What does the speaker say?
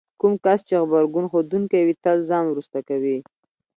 کوم کس چې غبرګون ښودونکی وي تل ځان وروسته کوي.